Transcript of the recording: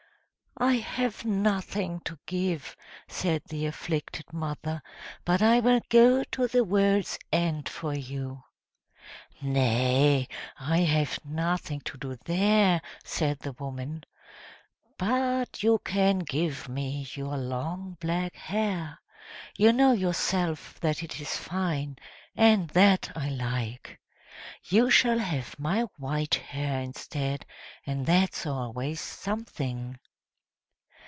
"I have nothing to give," said the afflicted mother, "but I will go to the world's end for you!" "Nay, I have nothing to do there!" said the woman. "But you can give me your long black hair; you know yourself that it is fine, and that I like! You shall have my white hair instead, and that's always something!"